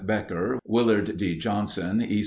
Becker, Willard D. Johnson, E.